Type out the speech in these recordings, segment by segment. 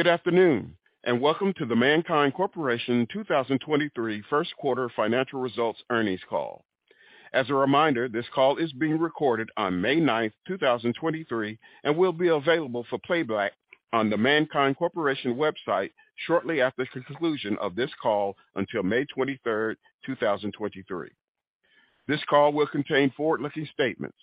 Good afternoon, welcome to the MannKind Corporation 2023 first quarter financial results earnings call. As a reminder, this call is being recorded on May 9th, 2023, and will be available for playback on the MannKind Corporation website shortly after the conclusion of this call until May 23rd, 2023. This call will contain forward-looking statements.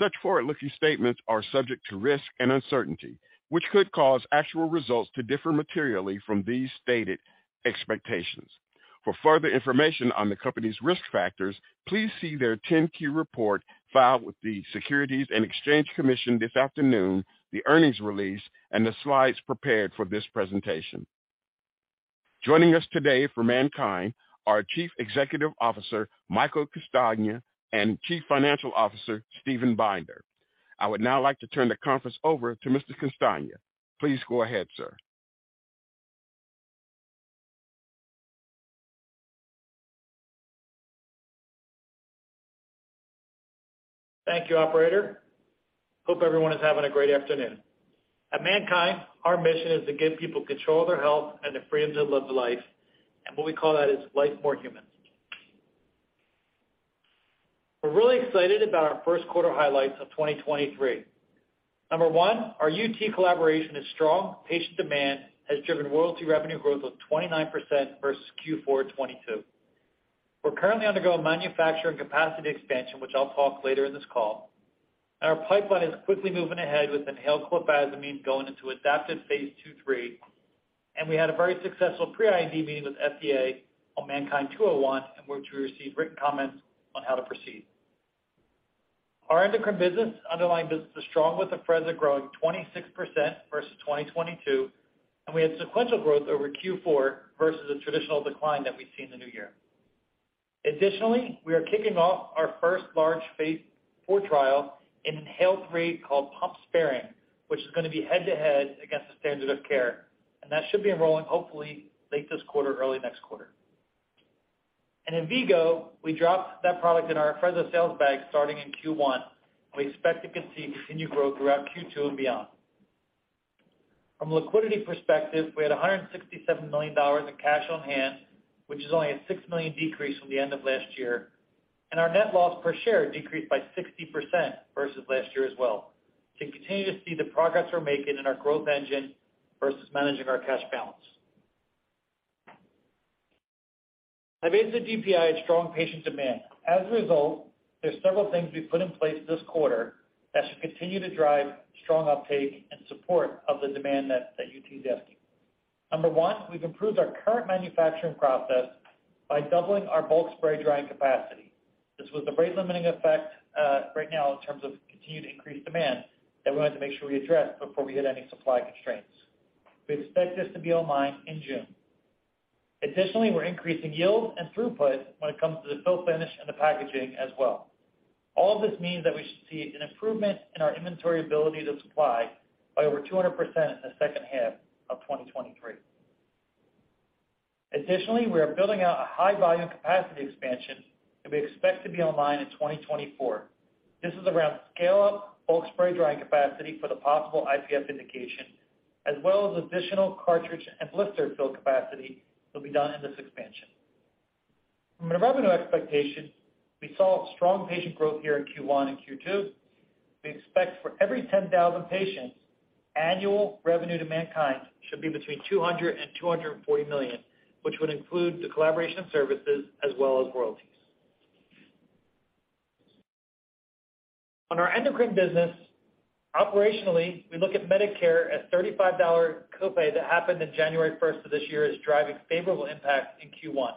Such forward-looking statements are subject to risk and uncertainty, which could cause actual results to differ materially from these stated expectations. For further information on the company's risk factors, please see their 10-Q report filed with the Securities and Exchange Commission this afternoon, the earnings release, and the slides prepared for this presentation. Joining us today for MannKind are Chief Executive Officer, Michael Castagna, and Chief Financial Officer, Steven Binder. I would now like to turn the conference over to Mr. Castagna. Please go ahead, sir. Thank you, operator. Hope everyone is having a great afternoon. At MannKind, our mission is to give people control of their health and the freedom to live life. What we call that is life more human. We're really excited about our first quarter highlights of 2023. Number one, our UT collaboration is strong. Patient demand has driven royalty revenue growth of 29% versus Q4 2022. We're currently undergoing manufacturing capacity expansion, which I'll talk later in this call. Our pipeline is quickly moving ahead with inhaled clofazimine going into adaptive phase 2/3. We had a very successful pre-IND meeting with FDA on MNKD-201, in which we received written comments on how to proceed. Our endocrine business, underlying business is strong, with Afrezza growing 26% versus 2022. We had sequential growth over Q4 versus a traditional decline that we see in the new year. Additionally, we are kicking off our first large phase four trial in INHALE-3 called pump sparing, which is gonna be head-to-head against the standard of care. That should be enrolling hopefully late this quarter, early next quarter. In V-Go, we dropped that product in our Afrezza sales bag starting in Q1. We expect to continue growth throughout Q2 and beyond. From a liquidity perspective, we had $167 million in cash on hand, which is only a $6 million decrease from the end of last year, and our net loss per share decreased by 60% versus last year as well. To continue to see the progress we're making in our growth engine versus managing our cash balance. I made the DPI a strong patient demand. There's several things we've put in place this quarter that should continue to drive strong uptake in support of the demand that UT is asking. Number one, we've improved our current manufacturing process by doubling our bulk spray drying capacity. This was the rate-limiting effect right now in terms of continued increased demand that we wanted to make sure we address before we hit any supply constraints. We expect this to be online in June. We're increasing yield and throughput when it comes to the fill finish and the packaging as well. All of this means that we should see an improvement in our inventory ability to supply by over 200% in the second half of 2023. We are building out a high volume capacity expansion, and we expect to be online in 2024. This is around scale-up bulk spray drying capacity for the possible IPF indication, as well as additional cartridge and blister fill capacity that'll be done in this expansion. From a revenue expectation, we saw strong patient growth here in Q1 and Q2. We expect for every 10,000 patients, annual revenue to MannKind should be between 200 million-240 million, which would include the collaboration services as well as royalties. On our endocrine business, operationally, we look at Medicare as $35 copay that happened in January first of this year is driving favorable impact in Q1.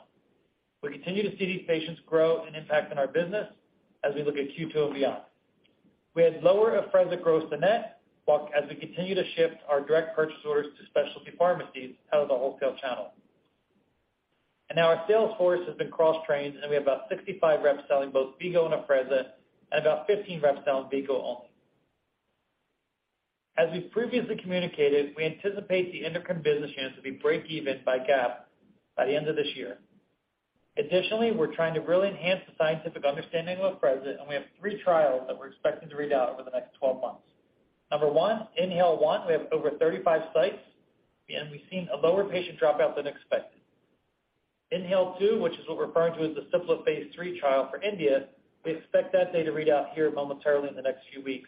We continue to see these patients grow and impact in our business as we look at Q2 and beyond. We had lower Afrezza gross-to-net, while as we continue to shift our direct purchase orders to specialty pharmacies out of the wholesale channel. Now our sales force has been cross-trained, and we have about 65 reps selling both Vgo and Afrezza and about 15 reps selling Vgo only. As we've previously communicated, we anticipate the endocrine business unit to be breakeven by GAAP by the end of this year. Additionally, we're trying to really enhance the scientific understanding of Afrezza, and we have three trials that we're expecting to read out over the next 12 months. Number one, INHALE-1, we have over 35 sites, and we've seen a lower patient dropout than expected. INHALE-2, which is what we're referring to as the simpler phase three trial for India, we expect that data to read out here momentarily in the next few weeks.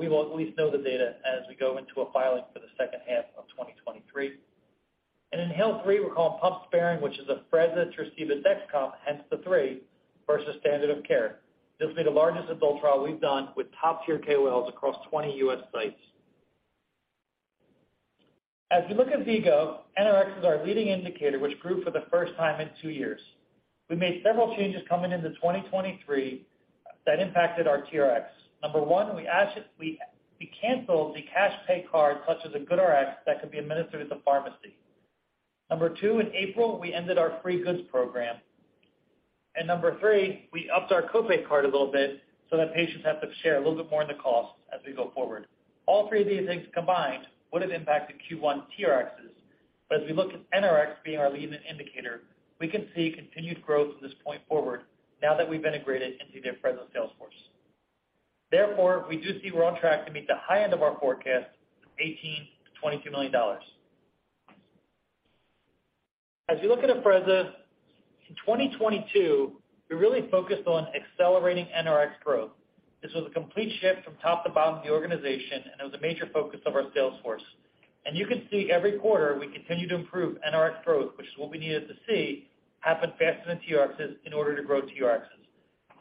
We will at least know the data as we go into a filing for the second half of 2023. INHALE-3, we're calling pump sparing, which is Afrezza plus the Dexcom, hence the three versus standard of care. This will be the largest adult trial we've done with top-tier KOLs across 20 U.S. sites. As we look at V-Go, NRx is our leading indicator, which grew for the first time in 2 years. We made several changes coming into 2023 that impacted our TRx. Number one, we canceled the cash pay card such as a GoodRx that could be administered at the pharmacy. Number two, in April, we ended our free goods program. Number three, we upped our copay card a little bit so that patients have to share a little bit more in the cost as we go forward. All three of these things combined would have impacted Q1 TRXs. As we look at NRx being our leading indicator, we can see continued growth from this point forward now that we've integrated into their present sales force. Therefore, we do see we're on track to meet the high end of our forecast of $18 million-$22 million. As you look at Afrezza, in 2022, we really focused on accelerating NRx growth. This was a complete shift from top to bottom of the organization, and it was a major focus of our sales force. You can see every quarter, we continue to improve NRx growth, which is what we needed to see happen faster than TRxs in order to grow TRxs.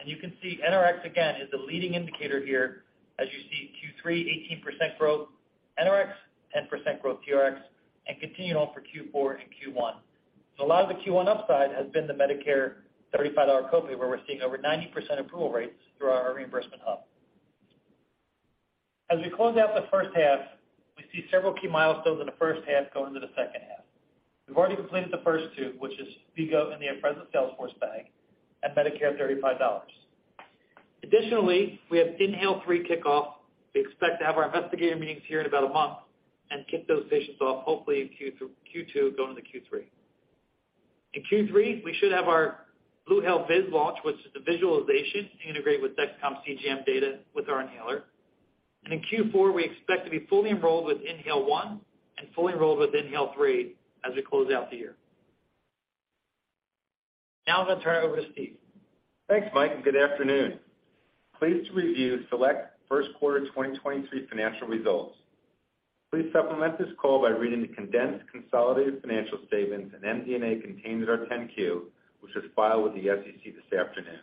You can see NRx, again, is the leading indicator here as you see Q3, 18% growth NRx, 10% growth TRx, and continued on for Q4 and Q1. A lot of the Q1 upside has been the Medicare $35 copay, where we're seeing over 90% approval rates through our reimbursement hub. As we close out the first half, we see several key milestones in the first half go into the second half. We've already completed the first two, which is Vgo in the Afrezza sales force bag and Medicare $35. Additionally, we have INHALE-3 kickoff. We expect to have our investigator meetings here in about a month and kick those patients off, hopefully in Q2, going into Q3. In Q3, we should have our BluHale VIS launch, which is the visualization to integrate with Dexcom CGM data with our inhaler. In Q4, we expect to be fully enrolled with INHALE-1 and fully enrolled with INHALE-3 as we close out the year. Now I'm going to turn it over to Steve. Thanks, Mike. Good afternoon. Pleased to review select first quarter 2023 financial results. Please supplement this call by reading the condensed consolidated financial statements and MD&A contained in our 10-Q, which was filed with the SEC this afternoon.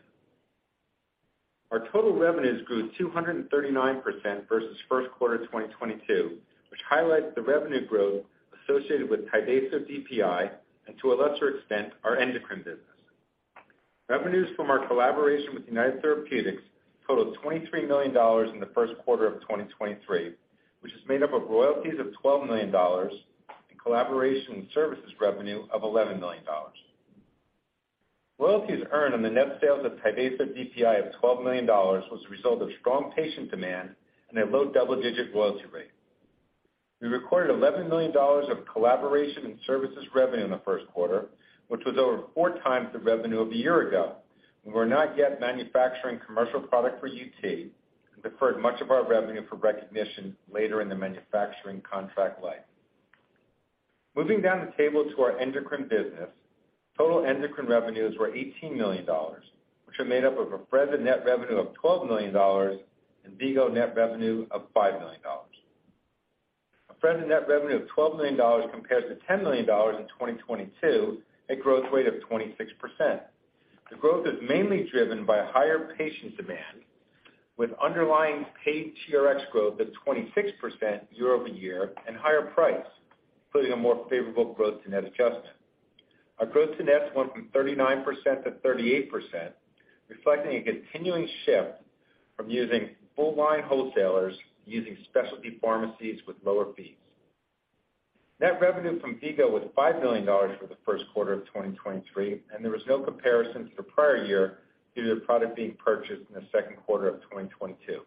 Our total revenues grew 239% versus first quarter 2022, which highlights the revenue growth associated with Tyvaso DPI and to a lesser extent, our endocrine business. Revenues from our collaboration with United Therapeutics totaled $23 million in the first quarter of 2023, which is made up of royalties of $12 million and collaboration services revenue of $11 million. Royalties earned on the net sales of Tyvaso DPI of $12 million was a result of strong patient demand and a low double-digit royalty rate. We recorded $11 million of collaboration and services revenue in the first quarter, which was over 4 times the revenue of a year ago. We were not yet manufacturing commercial product for UT and deferred much of our revenue for recognition later in the manufacturing contract life. Moving down the table to our endocrine business, total endocrine revenues were $18 million, which are made up of Afrezza net revenue of $12 million and V-Go net revenue of $5 million. Afrezza net revenue of $12 million compared to $10 million in 2022, a growth rate of 26%. The growth is mainly driven by higher patient demand, with underlying paid TRx growth of 26% year-over-year and higher price, including a more favorable gross-to-net adjustment. Our gross-to-net went from 39% to 38%, reflecting a continuing shift from using full-line wholesalers using specialty pharmacies with lower fees. Net revenue from V-Go was $5 million for the first quarter of 2023. There was no comparison to the prior year due to the product being purchased in the second quarter of 2022.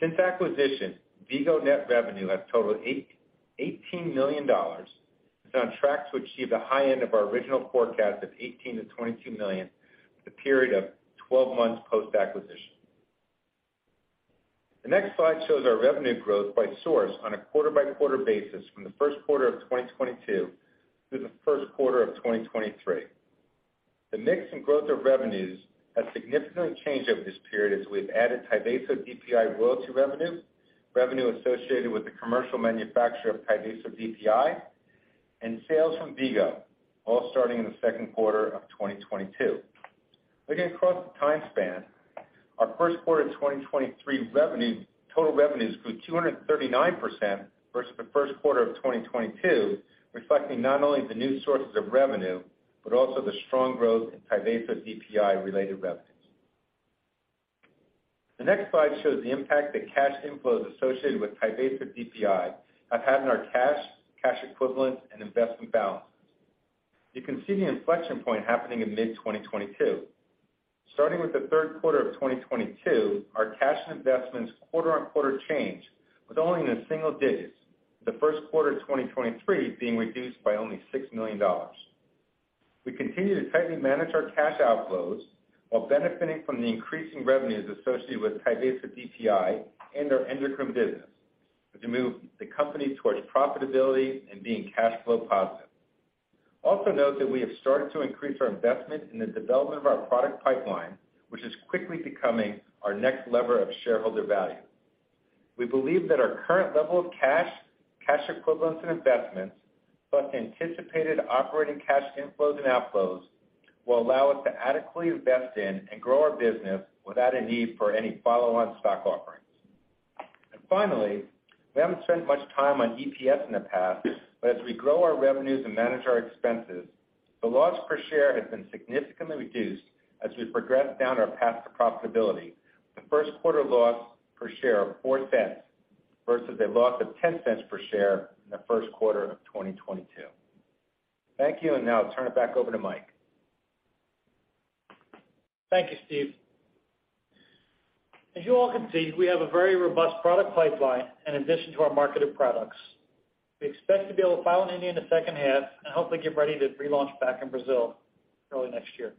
Since acquisition, V-Go net revenue has totaled $18 million and is on track to achieve the high end of our original forecast of $18 million-$22 million for the period of 12 months post-acquisition. The next slide shows our revenue growth by source on a quarter-by-quarter basis from the first quarter of 2022 through the first quarter of 2023. The mix and growth of revenues has significantly changed over this period as we have added Tyvaso DPI royalty revenue associated with the commercial manufacture of Tyvaso DPI, and sales from Vgo, all starting in the second quarter of 2022. Looking across the time span, our first quarter 2023 total revenues grew 239% versus the first quarter of 2022, reflecting not only the new sources of revenue, but also the strong growth in Tyvaso DPI-related revenues. The next slide shows the impact that cash inflows associated with Tyvaso DPI have had on our cash equivalents and investment balances. You can see the inflection point happening in mid-2022. Starting with the third quarter of 2022, our cash and investments quarter-on-quarter change was only in the single digits. The first quarter of 2023 being reduced by only $6 million. We continue to tightly manage our cash outflows while benefiting from the increasing revenues associated with Tyvaso DPI and our endocrine business as we move the company towards profitability and being cash flow positive. Note that we have started to increase our investment in the development of our product pipeline, which is quickly becoming our next lever of shareholder value. We believe that our current level of cash equivalents and investments, plus the anticipated operating cash inflows and outflows, will allow us to adequately invest in and grow our business without a need for any follow-on stock offerings. Finally, we haven't spent much time on EPS in the past, but as we grow our revenues and manage our expenses, the loss per share has been significantly reduced as we progress down our path to profitability. The first quarter loss per share of 0.04 versus a loss of 0.10 per share in the first quarter of 2022. Thank you. Now I'll turn it back over to Mike. Thank you, Steve. As you all can see, we have a very robust product pipeline in addition to our marketed products. We expect to be able to file in India in the second half and hopefully get ready to relaunch back in Brazil early next year.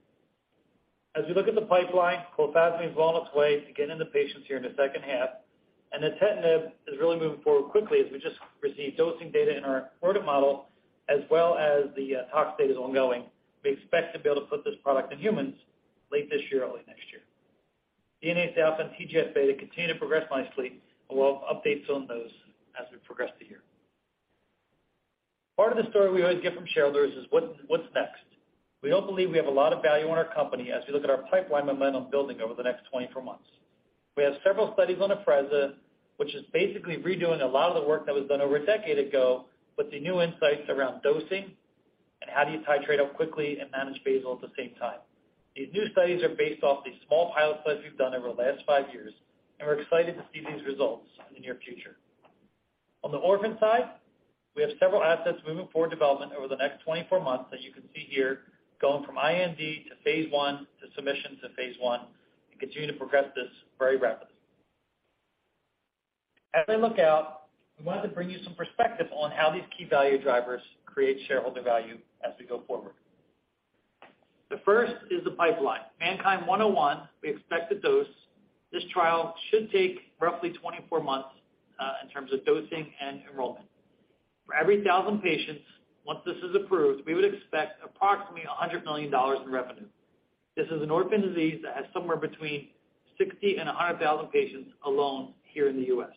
We look at the pipeline, clofazimine is well on its way to getting into patients here in the second half, and nintedanib is really moving forward quickly as we just received dosing data in our fibrosis model as well as the tox data is ongoing. We expect to be able to put this product in humans late this year, early next year. and TGF beta continue to progress nicely. We'll have updates on those as we progress the year. Part of the story we always get from shareholders is what's next? We all believe we have a lot of value in our company as we look at our pipeline momentum building over the next 24 months. We have several studies on Afrezza, which is basically redoing a lot of the work that was done over a decade ago with the new insights around dosing and how do you titrate up quickly and manage basal at the same time. These new studies are based off the small pilot studies we've done over the last five years, and we're excited to see these results in the near future. On the orphan side, we have several assets moving forward development over the next 24 months that you can see here, going from IND to phase one, to submission to phase one, and continue to progress this very rapidly. As I look out, we wanted to bring you some perspective on how these key value drivers create shareholder value as we go forward. The first is the pipeline. MannKind 101, we expect to dose. This trial should take roughly 24 months in terms of dosing and enrollment. For every 1,000 patients, once this is approved, we would expect approximately $100 million in revenue. This is an orphan disease that has somewhere between 60,000 and 100,000 patients alone here in the U.S.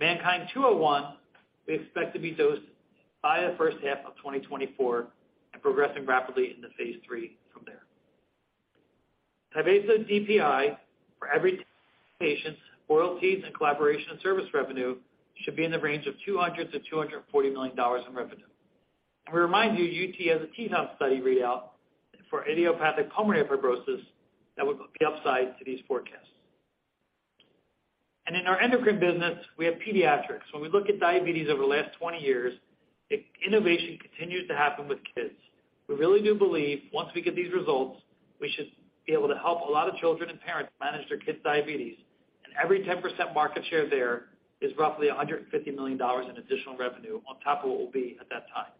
MannKind 201, we expect to be dosed by the first half of 2024 and progressing rapidly into phase 3 from there. Tyvaso DPI for every patient, royalties and collaboration service revenue should be in the range of $200 million-$240 million in revenue. We remind you, UT has a TETON study readout for idiopathic pulmonary fibrosis that would be upside to these forecasts. In our endocrine business, we have pediatrics. When we look at diabetes over the last 20 years, innovation continues to happen with kids. We really do believe once we get these results, we should be able to help a lot of children and parents manage their kids' diabetes. Every 10% market share there is roughly $150 million in additional revenue on top of what will be at that time.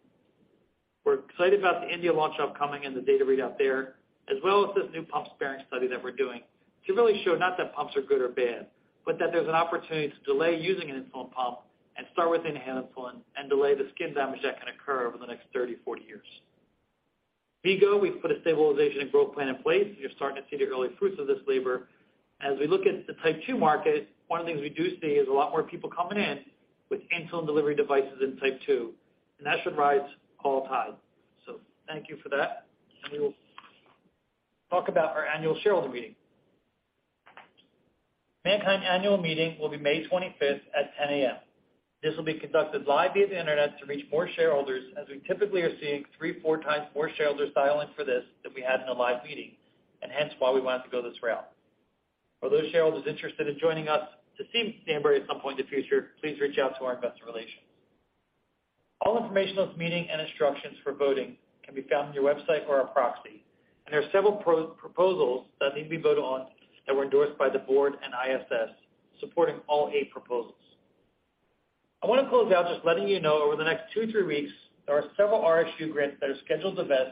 We're excited about the India launch upcoming and the data readout there, as well as this new pump sparing study that we're doing to really show not that pumps are good or bad, but that there's an opportunity to delay using an insulin pump and start with inhalable insulin and delay the skin damage that can occur over the next 30, 40 years. V-Go, we've put a stabilization and growth plan in place. You're starting to see the early fruits of this labor. As we look at the type two market, one of the things we do see is a lot more people coming in with insulin delivery devices in type two, that should rise all tide. Thank you for that. We will talk about our annual shareholder meeting. MannKind annual meeting will be May 25th at 10:00 A.M. This will be conducted live via the Internet to reach more shareholders, as we typically are seeing three, four times more shareholders dial in for this than we had in a live meeting, and hence why we wanted to go this route. For those shareholders interested in joining us to see Danbury at some point in the future, please reach out to our investor relations. All information on this meeting and instructions for voting can be found on your website or our proxy. There are several proposals that need to be voted on that were endorsed by the board and ISS, supporting all 8 proposals. I want to close out just letting you know over the next 2, 3 weeks, there are several RSU grants that are scheduled events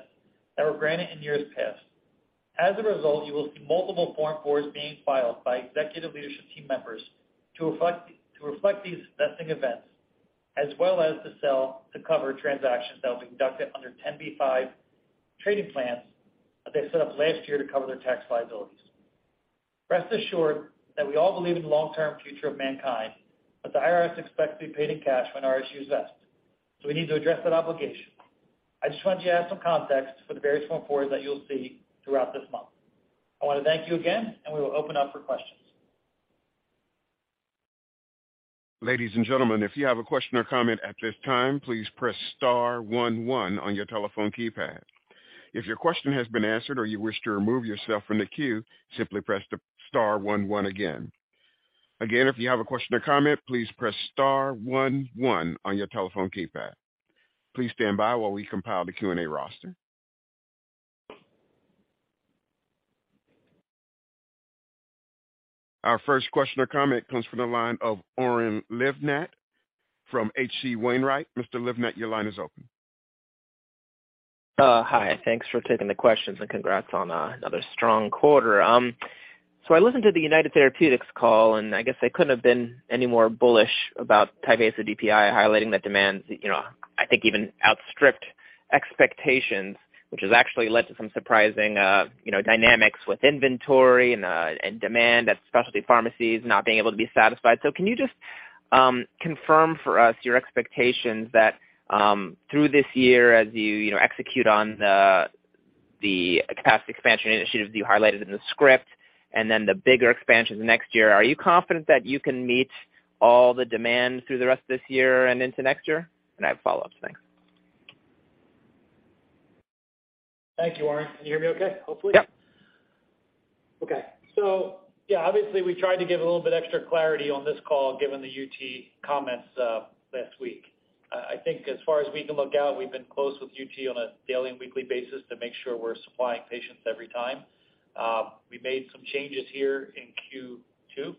that were granted in years past. You will see multiple Form 4 being filed by executive leadership team members to reflect these vesting events, as well as the sell to cover transactions that will be conducted under 10b5-1 trading plans that they set up last year to cover their tax liabilities. Rest assured that we all believe in the long-term future of MannKind, the IRS expects to be paid in cash when RSUs vest. We need to address that obligation. I just want you to add some context for the various Form 4s that you'll see throughout this month. I wanna thank you again, we will open up for questions. Ladies and gentlemen, if you have a question or comment at this time, please press star one one on your telephone keypad. If your question has been answered or you wish to remove yourself from the queue, simply press star one one again. Again, if you have a question or comment, please press star one one on your telephone keypad. Please stand by while we compile the Q&A roster. Our first question or comment comes from the line of Oren Livnat from H.C. Wainwright. Mr. Livnat, your line is open. Hi. Thanks for taking the questions and congrats on another strong quarter. I listened to the United Therapeutics call, and I guess they couldn't have been any more bullish about Tyvaso DPI, highlighting the demands, you know, I think even outstripped expectations, which has actually led to some surprising, you know, dynamics with inventory and demand at specialty pharmacies not being able to be satisfied. Can you just confirm for us your expectations that through this year as you know, execute on the capacity expansion initiatives you highlighted in the script and then the bigger expansions next year? Are you confident that you can meet all the demand through the rest of this year and into next year? I have follow-ups. Thanks. Thank you, Oren. Can you hear me okay, hopefully? Yep. Yeah, obviously we tried to give a little bit extra clarity on this call, given the UT comments last week. I think as far as we can look out, we've been close with UT on a daily and weekly basis to make sure we're supplying patients every time. We made some changes here in Q2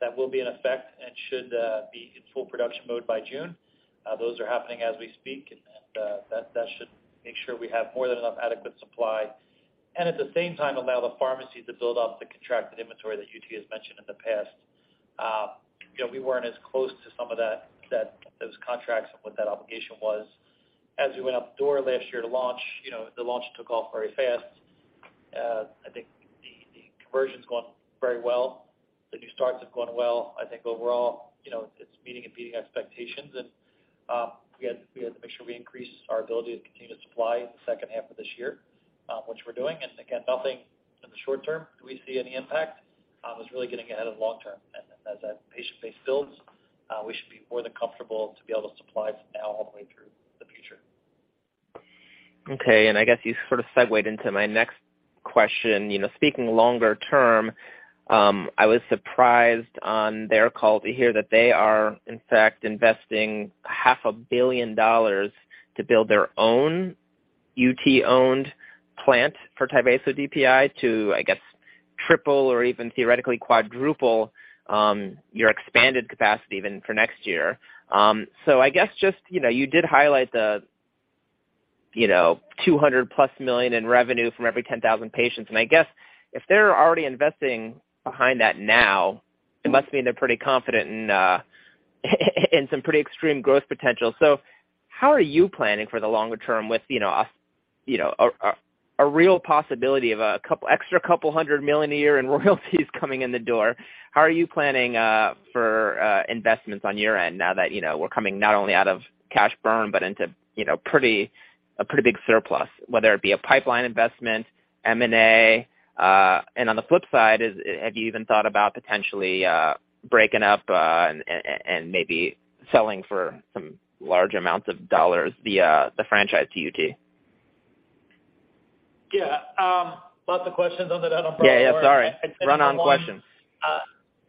that will be in effect and should be in full production mode by June. Those are happening as we speak, and that should make sure we have more than enough adequate supply. At the same time, allow the pharmacy to build off the contracted inventory that UT has mentioned in the past. You know, we weren't as close to some of those contracts and what that obligation was. As we went out the door last year to launch, you know, the launch took off very fast. I think the conversion's going very well. The new starts is going well. I think overall, you know, it's meeting and beating expectations. We had to make sure we increased our ability to continue to supply the second half of this year, which we're doing. Again, nothing in the short term do we see any impact, is really getting ahead of long term. As that patient base builds, we should be more than comfortable to be able to supply from now all the way through the future. Okay. I guess you sort of segued into my next question. You know, speaking longer term, I was surprised on their call to hear that they are in fact investing half a billion dollars to build their own UT-owned plant for Tyvaso DPI to, I guess, triple or even theoretically quadruple your expanded capacity even for next year. I guess just, you know, you did highlight the, you know, $200+ million in revenue from every 10,000 patients. And I guess if they're already investing behind that now, it must mean they're pretty confident in some pretty extreme growth potential. How are you planning for the longer term with, you know, a real possibility of extra couple hundred million a year in royalties coming in the door? How are you planning for investments on your end now that, you know, we're coming not only out of cash burn, but into, you know, a pretty big surplus, whether it be a pipeline investment, M&A. On the flip side, have you even thought about potentially breaking up and maybe selling for some large amounts of dollars the franchise to UT? Yeah. Lots of questions on that one. Yeah, yeah. Sorry. Run-on questions.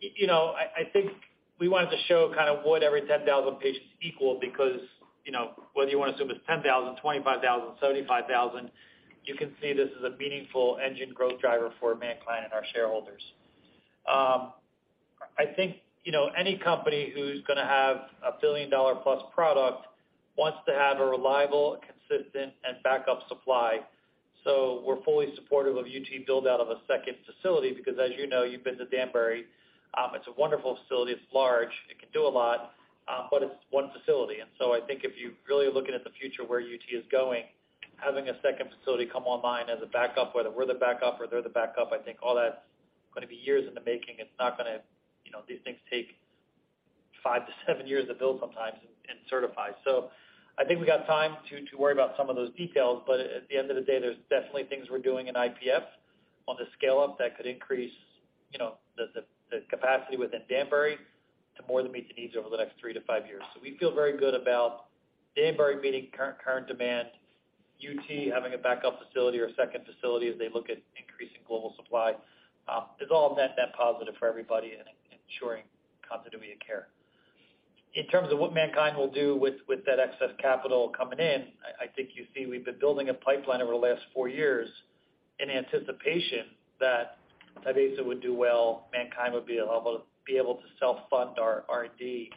You know, I think we wanted to show kind of what every 10,000 patients equal because, you know, whether you want to assume it's 10,000, 25,000, 75,000, you can see this is a meaningful engine growth driver for MannKind and our shareholders. I think, you know, any company who's going to have a $1 billion-plus product wants to have a reliable, consistent, and backup supply. We're fully supportive of UT build out of a second facility because as you know, you've been to Danbury, it's a wonderful facility. It's large, it can do a lot, but it's one facility. I think if you're really looking at the future where UT is going, having a second facility come online as a backup, whether we're the backup or they're the backup, I think all that's going to be years in the making. It's not gonna, you know, these things take five to seven years to build sometimes and certify. I think we got time to worry about some of those details, but at the end of the day, there's definitely things we're doing in IPF on the scale-up that could increase, you know, the capacity within Danbury to more than meet the needs over the next three to five years. We feel very good about Danbury meeting current demand, UT having a backup facility or a second facility as they look at increasing global supply. It's all net positive for everybody in ensuring continuity of care. In terms of what MannKind will do with that excess capital coming in, I think you see we've been building a pipeline over the last 4 years in anticipation that Tyvaso would do well, MannKind would be able to self-fund our R&D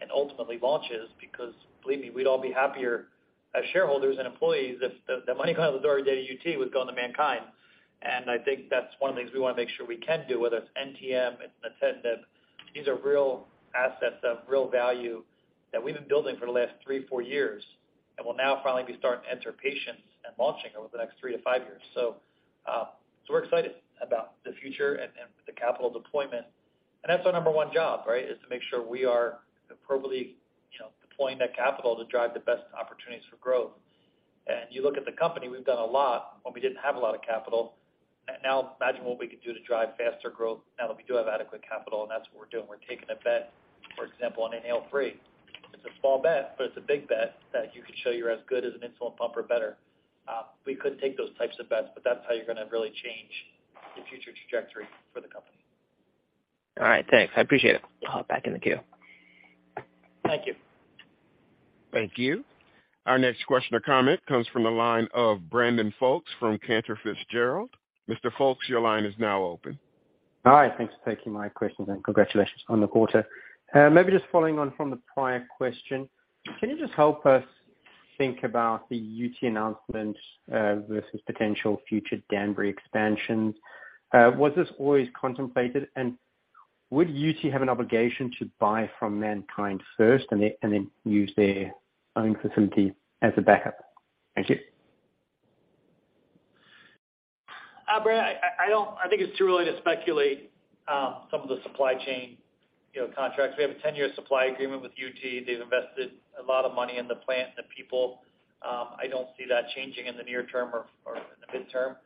and ultimately launches because believe me, we'd all be happier as shareholders and employees if the money coming out the door every day to UT would go on to MannKind. I think that's one of the things we wanna make sure we can do, whether it's NTM, it's nintedanib. These are real assets of real value that we've been building for the last three, four years, and will now finally be starting to enter patients and launching over the next three to five years. We're excited about the future and the capital deployment. That's our number one job, right? Is to make sure we are appropriately, you know, deploying that capital to drive the best opportunities for growth. You look at the company, we've done a lot when we didn't have a lot of capital. Now imagine what we could do to drive faster growth now that we do have adequate capital, and that's what we're doing. We're taking a bet, for example, on INHALE-3. It's a small bet, but it's a big bet that you could show you're as good as an insulin pump or better. We could take those types of bets. That's how you're gonna really change the future trajectory for the company. All right. Thanks. I appreciate it. I'll hop back in the queue. Thank you. Thank you. Our next question or comment comes from the line of Brandon Folkes from Cantor Fitzgerald. Mr. Folkes, your line is now open. Hi. Thanks for taking my questions and congratulations on the quarter. Maybe just following on from the prior question, can you just help us think about the UT announcement, versus potential future Danbury expansions? Was this always contemplated? Would UT have an obligation to buy from MannKind first and then use their own facility as a backup? Thank you. Brandon, I think it's too early to speculate, some of the supply chain, you know, contracts. We have a 10-year supply agreement with UT. They've invested a lot of money in the plant and the people. I don't see that changing in the near term or in the midterm.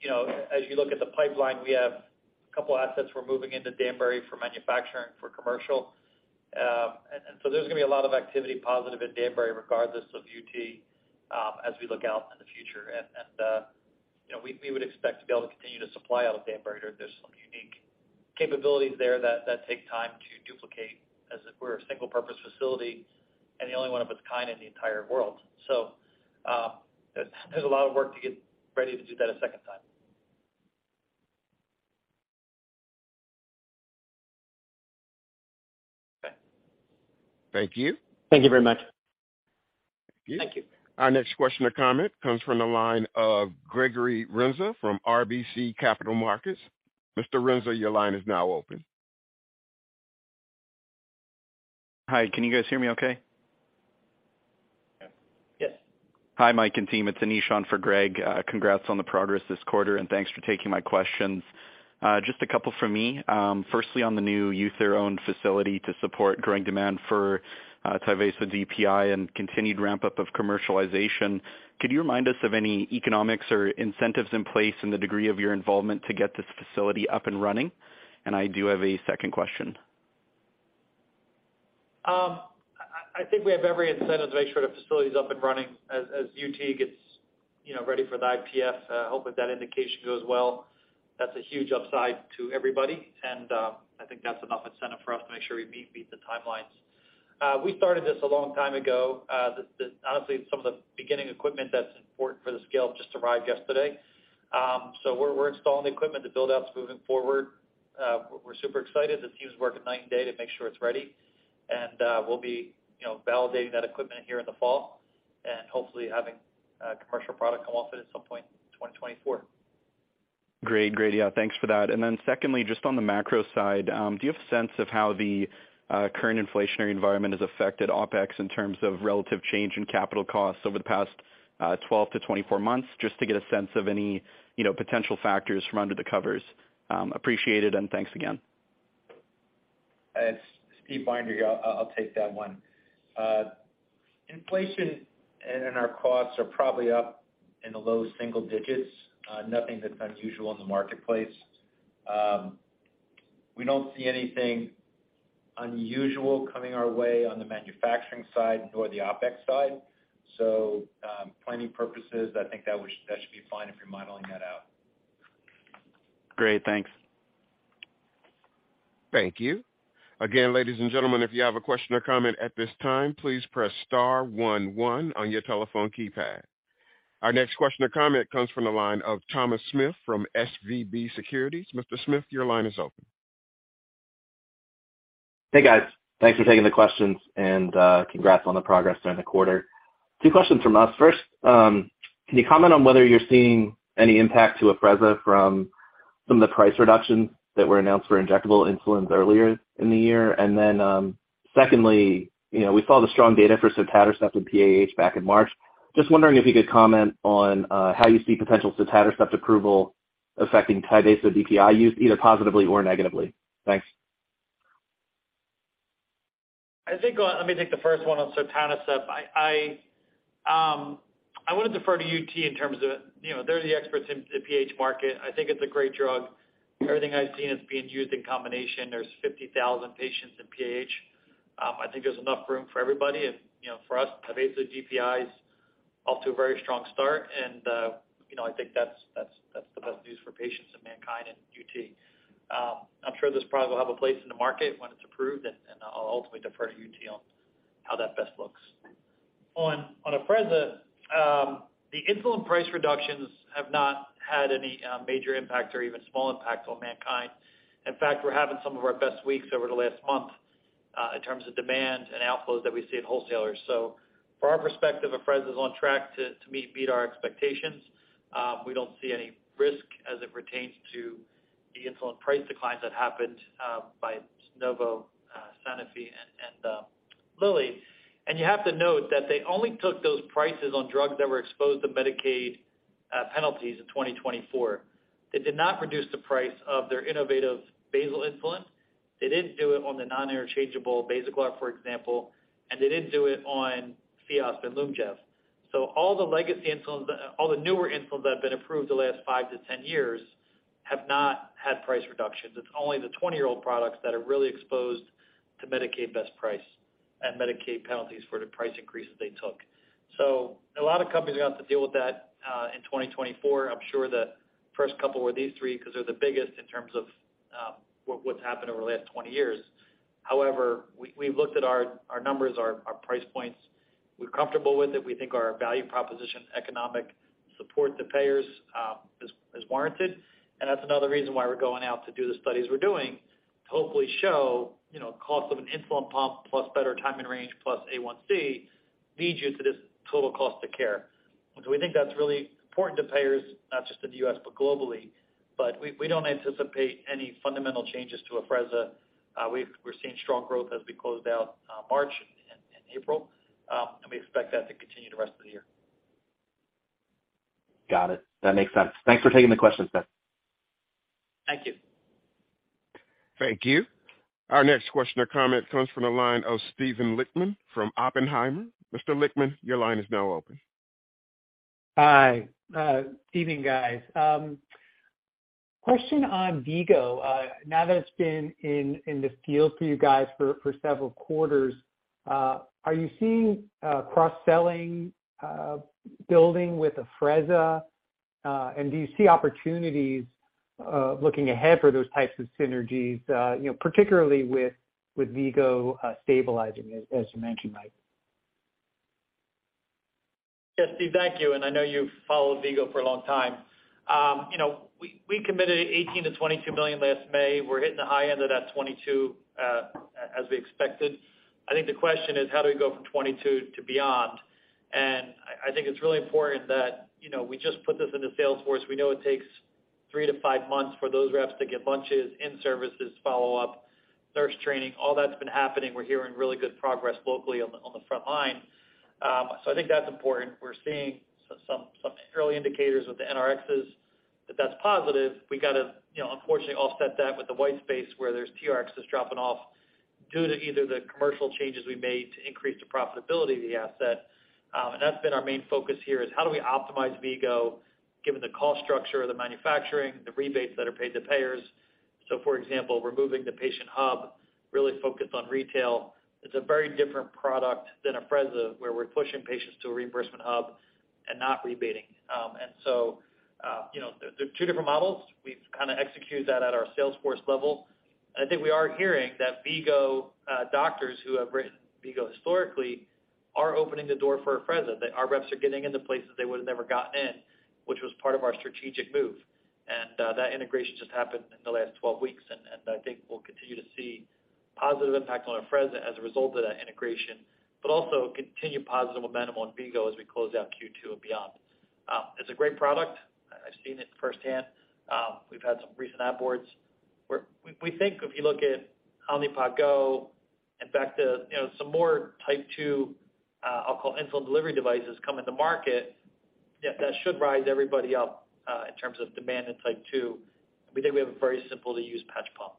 You know, as you look at the pipeline, we have a couple assets we're moving into Danbury for manufacturing for commercial. There's going to be a lot of activity positive at Danbury regardless of UT, as we look out in the future. You know, we would expect to be able to continue to supply out of Danbury. There's some unique capabilities there that take time to duplicate as it were a single purpose facility and the only one of its kind in the entire world. There's a lot of work to get ready to do that a second time. Okay. Thank you. Thank you very much. Thank you. Thank you. Our next question or comment comes from the line of Gregory Renza from RBC Capital Markets. Mr. Renza, your line is now open. Hi. Can you guys hear me okay? Yeah. Yes. Hi, Mike and team. It's Anish on for Greg. Congrats on the progress this quarter and thanks for taking my questions. Just a couple from me. Firstly, on the new use their own facility to support growing demand for Tyvaso DPI and continued ramp-up of commercialization. Could you remind us of any economics or incentives in place and the degree of your involvement to get this facility up and running? I do have a second question. I think we have every incentive to make sure the facility is up and running as UT gets, you know, ready for the IPF. Hopefully, that indication goes well. That's a huge upside to everybody. I think that's enough incentive for us to make sure we meet the timelines. We started this a long time ago. Honestly, some of the beginning equipment that's important for the scale just arrived yesterday. We're installing the equipment. The build-out's moving forward. We're super excited. The team's working night and day to make sure it's ready. We'll be, you know, validating that equipment here in the fall. Hopefully having commercial product come off it at some point in 2024. Great. Yeah, thanks for that. Then secondly, just on the macro side, do you have a sense of how the current inflationary environment has affected OpEx in terms of relative change in capital costs over the past 12-24 months, just to get a sense of any, you know, potential factors from under the covers? Appreciate it, and thanks again. Steven Binder here. I'll take that one. Inflation and our costs are probably up in the low single digits. Nothing that's unusual in the marketplace. We don't see anything unusual coming our way on the manufacturing side nor the OpEx side. Planning purposes, I think that should be fine if you're modeling that out. Great. Thanks. Thank you. Again, ladies and gentlemen, if you have a question or comment at this time, please press star one one on your telephone keypad. Our next question or comment comes from the line of Thomas Smith from SVB Securities. Mr. Smith, your line is open. Hey, guys. Thanks for taking the questions. Congrats on the progress during the quarter. Two questions from us. First, can you comment on whether you're seeing any impact to Afrezza from some of the price reductions that were announced for injectable insulin earlier in the year? Then, you know, we saw the strong data for sotatercept and PAH back in March. Just wondering if you could comment on how you see potential sotatercept approval affecting Tyvaso DPI use, either positively or negatively. Thanks. Let me take the first one on sotatercept. I would defer to UT in terms of, you know, they're the experts in the PAH market. I think it's a great drug. Everything I've seen is being used in combination. There's 50,000 patients in PAH. I think there's enough room for everybody. For us, Tyvaso DPI is off to a very strong start. I think that's, that's the best news for patients in MannKind and UT. I'm sure this product will have a place in the market when it's approved, and I'll ultimately defer to UT on how that best looks. On Afrezza, the insulin price reductions have not had any major impact or even small impact on MannKind. In fact, we're having some of our best weeks over the last month, in terms of demand and outflows that we see at wholesalers. From our perspective, Afrezza is on track to meet our expectations. We don't see any risk as it pertains to the insulin price declines that happened by Novo, Sanofi and Lilly. You have to note that they only took those prices on drugs that were exposed to Medicaid penalties in 2024. They did not reduce the price of their innovative basal insulin. They didn't do it on the non-interchangeable Basaglar for example, and they didn't do it on Fiasp and Lyumjev. All the legacy insulins, all the newer insulins that have been approved the last five to 10 years have not had price reductions. It's only the 20-year-old products that are really exposed to Medicaid best price and Medicaid penalties for the price increases they took. A lot of companies are gonna have to deal with that in 2024. I'm sure the first couple were these three because they're the biggest in terms of, what's happened over the last 20 years. We, we've looked at our numbers, our price points. We're comfortable with it. We think our value proposition economic support to payers, is warranted. That's another reason why we're going out to do the studies we're doing to hopefully show, you know, cost of an insulin pump plus better time and range plus A1C leads you to this total cost of care. We think that's really important to payers, not just in the U.S., but globally. We don't anticipate any fundamental changes to Afrezza. We're seeing strong growth as we closed out March and April, and we expect that to continue the rest of the year. Got it. That makes sense. Thanks for taking the questions, guys. Thank you. Thank you. Our next question or comment comes from the line of Steven Lichtman from Oppenheimer. Mr. Lichtman, your line is now open. Hi. Evening, guys. Question on V-Go. Now that it's been in the field for you guys for several quarters, are you seeing cross-selling building with Afrezza? Do you see opportunities looking ahead for those types of synergies, you know, particularly with V-Go stabilizing, as you mentioned, Mike? Yes, Steve, thank you. I know you've followed V-Go for a long time. you know, we committed $18 million-$22 million last May. We're hitting the high end of that 22, as we expected. I think the question is, how do we go from 22 to beyond? I think it's really important that, you know, we just put this into Salesforce. We know it takes three to five months for those reps to get lunches, in-services, follow-up, nurse training, all that's been happening. We're hearing really good progress locally on the front line. I think that's important. We're seeing some early indicators with the NRXs that that's positive. We got to, you know, unfortunately, offset that with the white space where there's TRXs dropping off due to either the commercial changes we made to increase the profitability of the asset. That's been our main focus here is how do we optimize V-Go given the cost structure of the manufacturing, the rebates that are paid to payers. For example, removing the patient hub, really focus on retail. It's a very different product than Afrezza, where we're pushing patients to a reimbursement hub and not rebating. So, you know, they're two different models. We've kind of executed that at our sales force level. I think we are hearing that V-Go, doctors who have written V-Go historically are opening the door for Afrezza, that our reps are getting into places they would have never gotten in, which was part of our strategic move. That integration just happened in the last 12 weeks. I think we'll continue to see positive impact on Afrezza as a result of that integration, but also continued positive momentum on V-Go as we close out Q2 and beyond. It's a great product. I've seen it firsthand. We've had some recent onboards. We think if you look at how the Pod Go, in fact, the, you know, some more type two, I'll call insulin delivery devices come in the market, that should rise everybody up in terms of demand in type two. We think we have a very simple to use patch pump.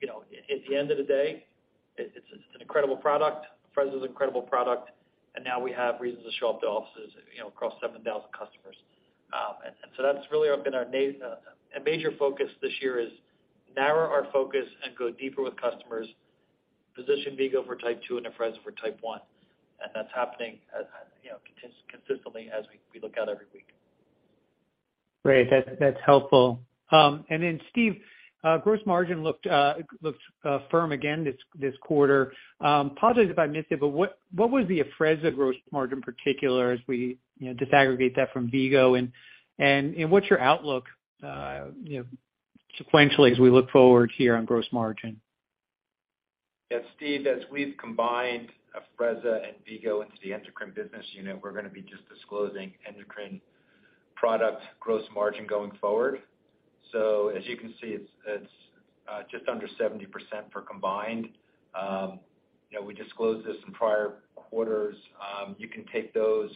You know, at the end of the day, it's an incredible product. Afrezza is an incredible product, and now we have reasons to show up to offices, you know, across 7,000 customers. That's really been our a major focus this year is narrow our focus and go deeper with customers, position V-Go for type two and Afrezza for type one. That's happening, you know, consistently as we look out every week. Great. That's helpful. Then Steve, gross margin looked firm again this quarter. Apologize if I missed it, but what was the Afrezza gross margin particular as we, you know, disaggregate that from V-Go? What's your outlook, you know, sequentially as we look forward here on gross margin? Yeah, Steve, as we've combined Afrezza and V-Go into the endocrine business unit, we're gonna be just disclosing endocrine product gross margin going forward. As you can see, it's just under 70% for combined. You know, we disclosed this in prior quarters. You can take those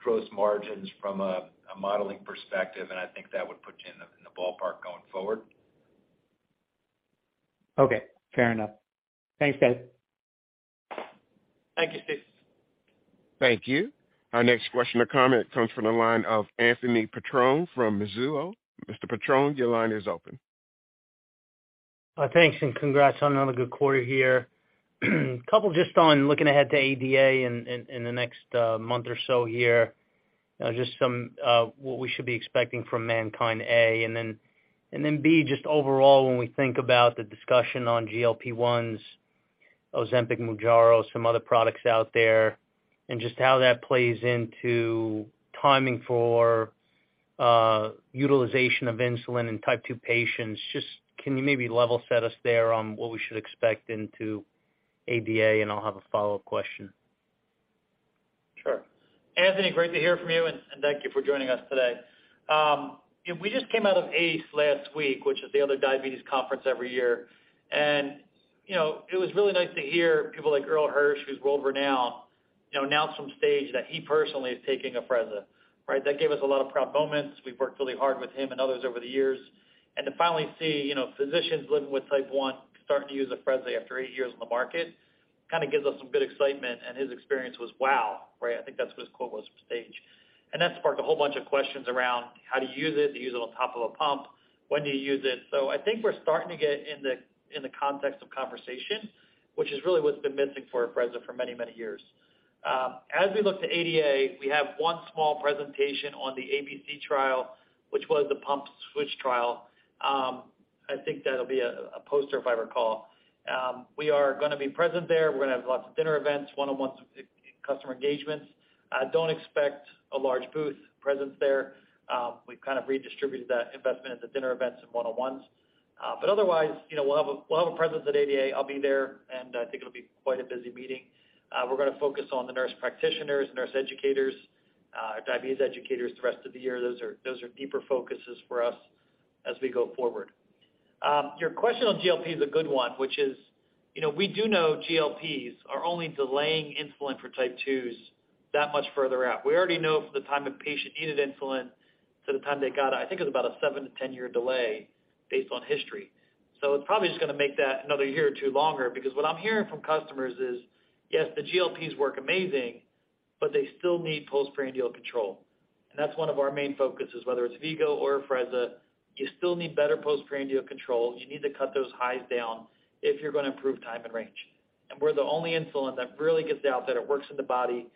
gross margins from a modeling perspective, and I think that would put you in the ballpark going forward. Okay. Fair enough. Thanks, guys. Thank you, Steve. Thank you. Our next question or comment comes from the line of Anthony Petrone from Mizuho. Mr. Petrone, your line is open. Thanks and congrats on another good quarter here. Couple just on looking ahead to ADA in the next month or so here. Just some what we should be expecting from MannKind, A. Then B, just overall, when we think about the discussion on GLP-1s, Ozempic, Mounjaro, some other products out there, and just how that plays into timing for utilization of insulin in type 2 patients. Can you maybe level set us there on what we should expect into ADA, and I'll have a follow-up question. Sure. Anthony, great to hear from you, and thank you for joining us today. We just came out of AACE last week, which is the other diabetes conference every year. You know, it was really nice to hear people like Irl B. Hirsch, who's world renowned, you know, announce on stage that he personally is taking Afrezza, right? That gave us a lot of proud moments. We've worked really hard with him and others over the years. To finally see, you know, physicians living with type 1 starting to use Afrezza after 8 years on the market, kind of gives us some good excitement. His experience was wow, right? I think that's what his quote was stage. That sparked a whole bunch of questions around how do you use it? Do you use it on top of a pump? When do you use it? I think we're starting to get in the context of conversation, which is really what's been missing for Afrezza for many, many years. As we look to ADA, we have one small presentation on the ABC trial, which was the pump switch trial. I think that'll be a poster if I recall. We are gonna be present there. We're gonna have lots of dinner events, one-on-ones customer engagements. Don't expect a large booth presence there. We've kind of redistributed that investment at the dinner events and one-on-ones. Otherwise, you know, we'll have a presence at ADA. I'll be there, and I think it'll be quite a busy meeting. We're gonna focus on the nurse practitioners, nurse educators, diabetes educators the rest of the year. Those are deeper focuses for us as we go forward. Your question on GLP is a good one, which is, you know, we do know GLPs are only delaying insulin for type 2s that much further out. We already know from the time a patient needed insulin to the time they got it. I think it was about a 7-10 year delay based on history. It's probably just gonna make that another year or two longer because what I'm hearing from customers is, yes, the GLPs work amazing, but they still need postprandial control. That's one of our main focuses, whether it's V-Go or Afrezza, you still need better postprandial control. You need to cut those highs down if you're gonna improve time and range. We're the only insulin that really gets out that it works in the body.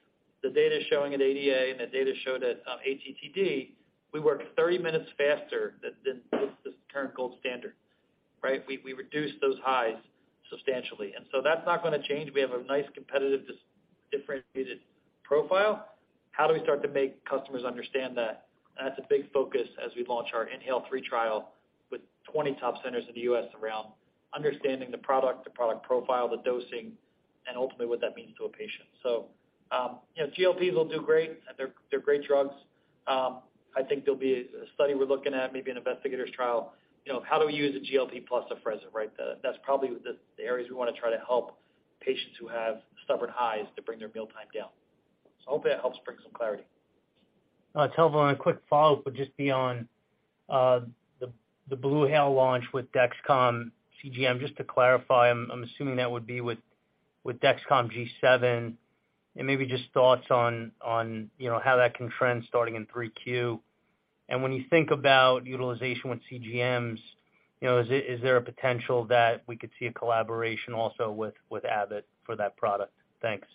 The data showing at ADA and the data showed at ATTD, we work 30 minutes faster than the current gold standard, right? We reduce those highs substantially. That's not gonna change. We have a nice competitive differentiated profile. How do we start to make customers understand that? That's a big focus as we launch our INHALE-3 trial with 20 top centers in the U.S. around understanding the product, the product profile, the dosing, and ultimately what that means to a patient. You know, GLPs will do great. They're great drugs. I think there'll be a study we're looking at, maybe an investigator's trial, you know, how do we use a GLP plus Afrezza, right? That's probably the areas we wanna try to help patients who have stubborn highs to bring their mealtime down. I hope that helps bring some clarity. Tel, on a quick follow-up, would just be on the BluHale launch with Dexcom CGM. Just to clarify, I'm assuming that would be with Dexcom G7 and maybe just thoughts on, you know, how that can trend starting in 3Q? When you think about utilization with CGMs, you know, is there a potential that we could see a collaboration also with Abbott for that product? Thanks.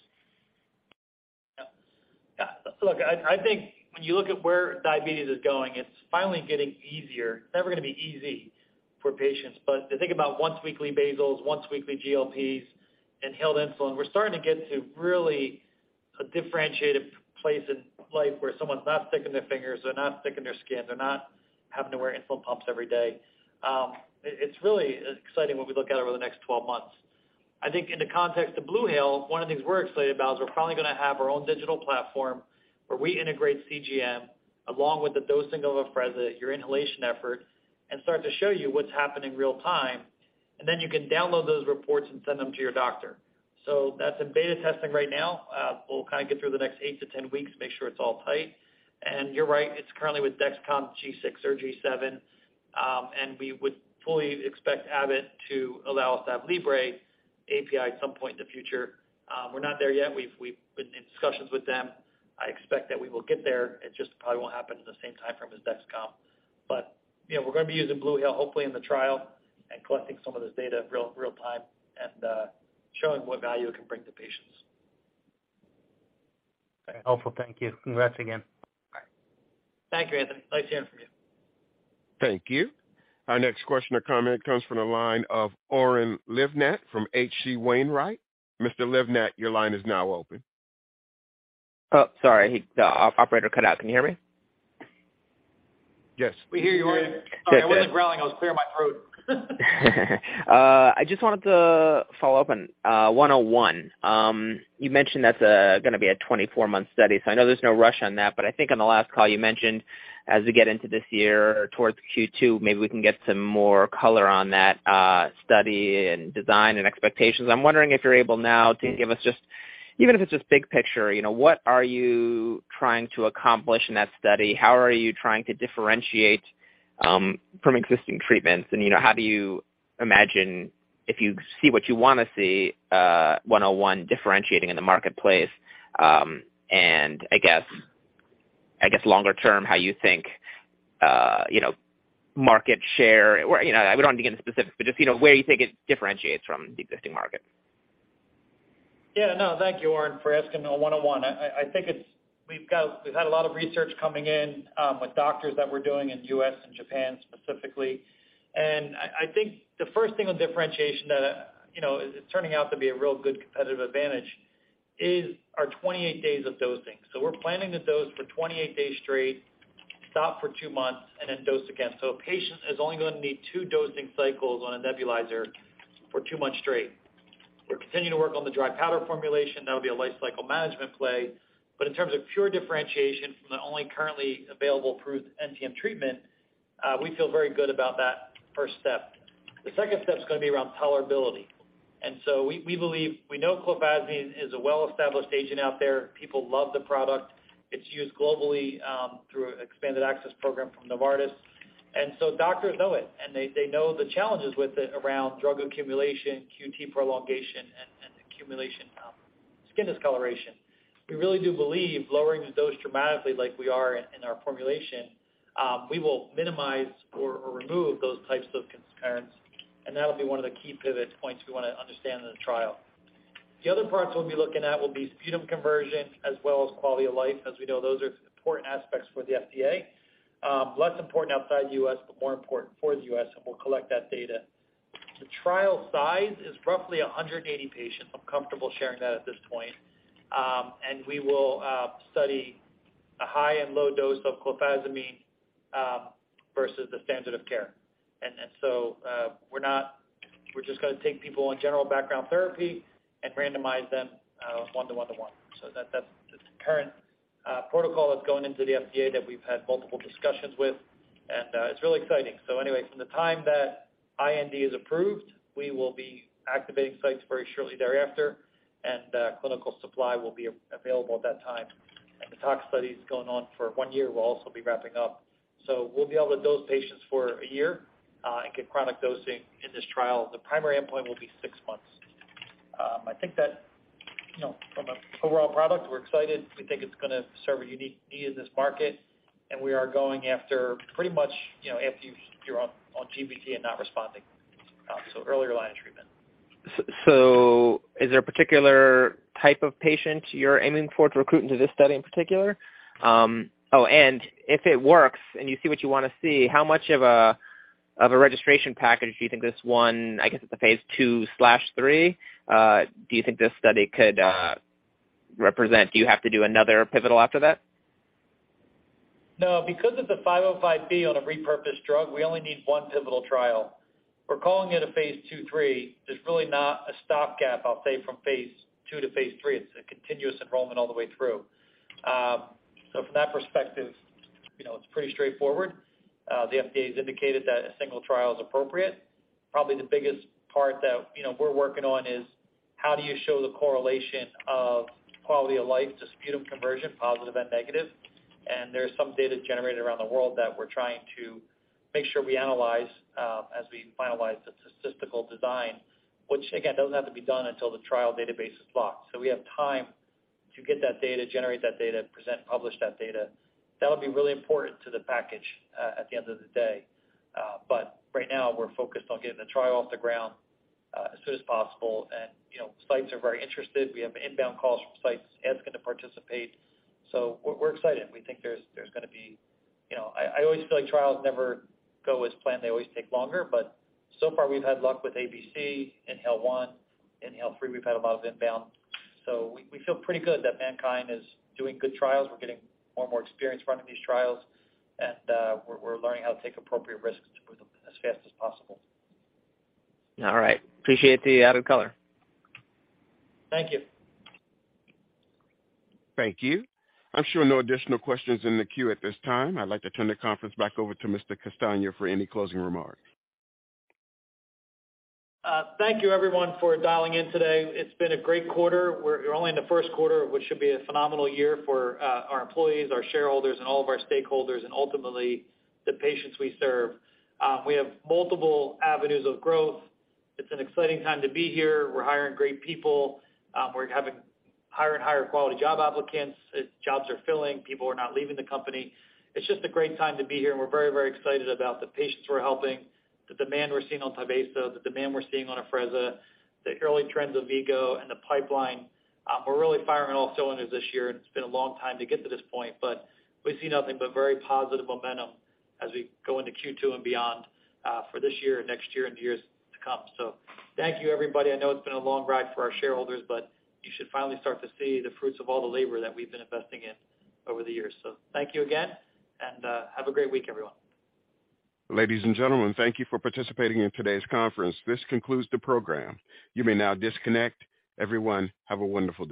Look, I think when you look at where diabetes is going, it's finally getting easier. It's never gonna be easy for patients, but to think about once-weekly basals, once-weekly GLP-1s, inhaled insulin, we're starting to get to really a differentiated place in life where someone's not sticking their fingers, they're not sticking their skin, they're not having to wear insulin pumps every day. It's really exciting when we look at it over the next 12 months. I think in the context of BluHale, one of the things we're excited about is we're finally gonna have our own digital platform where we integrate CGM along with the dosing of Afrezza, your inhalation effort, and start to show you what's happening real time, and then you can download those reports and send them to your doctor. That's in beta testing right now. We'll kind of get through the next eight-ten weeks, make sure it's all tight. You're right, it's currently with Dexcom G6 or G7, and we would fully expect Abbott to allow us to have Libre API at some point in the future. We're not there yet. We've been in discussions with them. I expect that we will get there. It just probably won't happen at the same time frame as Dexcom. You know, we're gonna be using BluHale, hopefully in the trial and collecting some of this data real time and showing what value it can bring to patients. Okay. Helpful. Thank you. Congrats again. All right. Thank you, Anthony. Nice hearing from you. Thank you. Our next question or comment comes from the line of Oren Livnat from H.C. Wainwright. Mr. Livnat, your line is now open. Oh, sorry. The operator cut out. Can you hear me? Yes. We hear you, Oren. Okay. Sorry, I wasn't growling. I was clearing my throat. I just wanted to follow up on MNKD-101. You mentioned that's gonna be a 24-month study, so I know there's no rush on that. I think on the last call you mentioned as we get into this year towards Q2, maybe we can get some more color on that study and design and expectations. I'm wondering if you're able now to give us just, even if it's just big picture, you know, what are you trying to accomplish in that study? How are you trying to differentiate from existing treatments? You know, how do you imagine if you see what you wanna see, 101 differentiating in the marketplace, and I guess longer term, how you think, you know, market share or, you know, I don't want to get into specifics, but just, you know, where you think it differentiates from the existing market. No. Thank you, Oren, for asking on MNKD-101. I think we've had a lot of research coming in with doctors that we're doing in the U.S. and Japan specifically. I think the first thing of differentiation that, you know, is turning out to be a real good competitive advantage is our 28 days of dosing. We're planning to dose for 28 days straight, stop for two months, and then dose again. A patient is only gonna need two dosing cycles on a nebulizer for two months straight. We're continuing to work on the dry powder formulation. That would be a life cycle management play. In terms of pure differentiation from the only currently available approved NTM treatment, we feel very good about that first step. The second step is gonna be around tolerability. We believe we know clofazimine is a well-established agent out there. People love the product. It's used globally, through expanded access program from Novartis. Doctors know it, and they know the challenges with it around drug accumulation, QT prolongation, and accumulation, skin discoloration. We really do believe lowering the dose dramatically like we are in our formulation, we will minimize or remove those types of concerns, and that'll be one of the key pivot points we wanna understand in the trial. The other parts we'll be looking at will be speed of conversion as well as quality of life. As we know, those are important aspects for the FDA. Less important outside the US, but more important for the US, and we'll collect that data. The trial size is roughly 180 patients. I'm comfortable sharing that at this point. We will study a high and low dose of clofazimine versus the standard of care. We're just gonna take people on general background therapy and randomize them 1 to 1 to 1. That's the current protocol that's going into the FDA that we've had multiple discussions with. It's really exciting. From the time that IND is approved, we will be activating sites very shortly thereafter, and clinical supply will be available at that time. The tox study is going on for one year. We'll also be wrapping up. We'll be able to dose patients for one year and get chronic dosing in this trial. The primary endpoint will be 6 months. I think that, you know, from a overall product, we're excited. We think it's gonna serve a unique need in this market. We are going after pretty much, you know, after you're on GVT and not responding. Earlier line of treatment. Is there a particular type of patient you're aiming for to recruit into this study in particular? If it works and you see what you wanna see, how much of a registration package do you think this one. I guess it's a phase 2/3, do you think this study could represent? Do you have to do another pivotal after that? No, because of the 505 B on a repurposed drug, we only need one pivotal trial. We're calling it a phase 2/3. There's really not a stopgap, I'll say, from phase 2 to phase three. It's a continuous enrollment all the way through. From that perspective, you know, it's pretty straightforward. The FDA's indicated that a single trial is appropriate. Probably the biggest part that, you know, we're working on is how do you show the correlation of quality of life to sputum conversion, positive and negative. There's some data generated around the world that we're trying to make sure we analyze as we finalize the statistical design, which, again, doesn't have to be done until the trial database is locked. We have time to get that data, generate that data, present, publish that data. That'll be really important to the package at the end of the day. Right now we're focused on getting the trial off the ground as soon as possible. You know, sites are very interested. We have inbound calls from sites asking to participate. We're excited. We think there's going to be. You know, I always feel like trials never go as planned, they always take longer, but so far we've had luck with ABC, INHALE-1, INHALE-3, we've had a lot of inbound. We feel pretty good that MannKind is doing good trials. We're getting more and more experience running these trials, and we're learning how to take appropriate risks to move them as fast as possible. All right. Appreciate the added color. Thank you. Thank you. I'm showing no additional questions in the queue at this time. I'd like to turn the conference back over to Mr. Castagna for any closing remarks. Thank you everyone for dialing in today. It's been a great quarter. We're only in the first quarter, which should be a phenomenal year for our employees, our shareholders, and all of our stakeholders and ultimately the patients we serve. We have multiple avenues of growth. It's an exciting time to be here. We're hiring great people. We're having higher and higher quality job applicants. Jobs are filling. People are not leaving the company. It's just a great time to be here. We're very excited about the patients we're helping, the demand we're seeing on Tyvaso, the demand we're seeing on Afrezza, the early trends of Vgo and the pipeline. We're really firing on all cylinders this year, and it's been a long time to get to this point, but we see nothing but very positive momentum as we go into Q2 and beyond for this year and next year and years to come. Thank you everybody. I know it's been a long ride for our shareholders, but you should finally start to see the fruits of all the labor that we've been investing in over the years. Thank you again, and have a great week, everyone. Ladies and gentlemen, thank you for participating in today's conference. This concludes the program. You may now disconnect. Everyone, have a wonderful day.